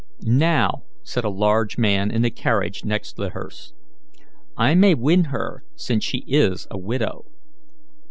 "Now," said a large man in the carriage next the hearse, "I may win her, since she is a widow."